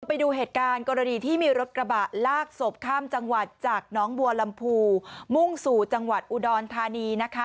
ไปดูเหตุการณ์กรณีที่มีรถกระบะลากศพข้ามจังหวัดจากน้องบัวลำพูมุ่งสู่จังหวัดอุดรธานีนะคะ